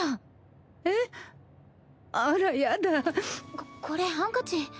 ここれハンカチ。